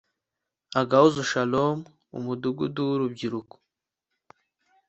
agahozo shalom umudugudu w'urubyiruko